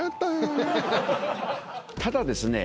ただですね